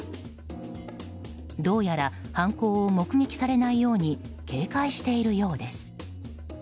どうやら犯行を目撃されないように警戒しているようです。